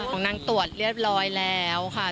ของนางตรวจเรียบร้อยแล้วค่ะ